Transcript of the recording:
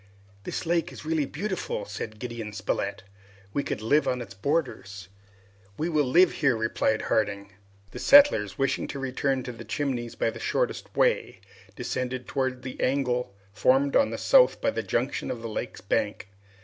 "This lake is really beautiful!" said Gideon Spilett. "We could live on its borders!" "We will live there!" replied Harding. The settlers, wishing to return to the Chimneys by the shortest way, descended towards the angle formed on the south by the junction of the lake's bank.